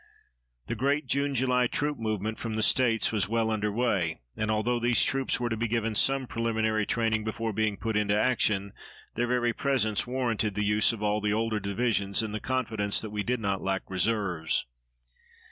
The great June July troop movement from the States was well under way, and, although these troops were to be given some preliminary training before being put into action, their very presence warranted the use of all the older divisions in the confidence that we did not lack reserves.